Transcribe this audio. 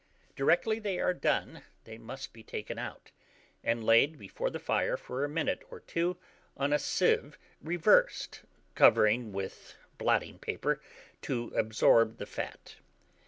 Directly they are done, they must he taken out, and laid before the fire for a minute or two on a sieve reversed, covered with blotting paper to absorb the fat.